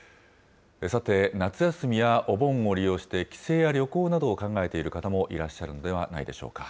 さて、夏休みやお盆を利用して、帰省や旅行などを考えている方もいらっしゃるのではないでしょうか。